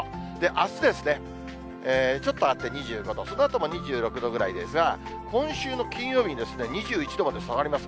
あすですね、ちょっと上がって２５度、そのあとも２６度ぐらいですが、今週の金曜日に２１度まで下がります。